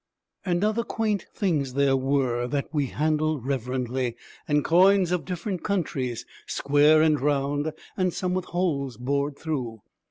And other quaint things there were that we handled reverently, and coins of different countries, square and round, and some with holes bored through.